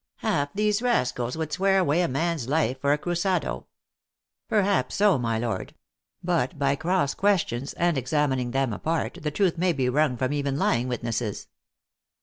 Half these rascals would swear away a man s life for a crusado" "Perhaps so, my lord. But by cross questions and THE ACTRESS IN HIGH LIFE. 329 examining them apart, the truth may be wrung from even lying witnesses."